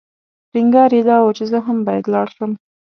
ټینګار یې دا و چې زه هم باید لاړ شم.